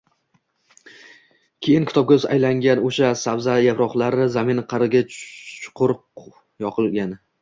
keyin kitobga aylangan o‘sha sabza yaproqlaru zamin qa’riga chuqur yoyilgan